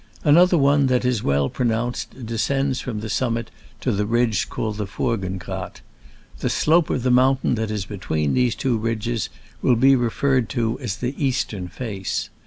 Another one that is well pro nounced descends from the summit to the ridge called the Furgen Grat. The slope of the mountain that is between these two ridges will be referred to as the eastern face.